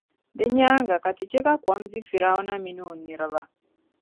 Din nyaaŋa, ka Ti chɛ ka kɔm di Fir’auna mini o niriba.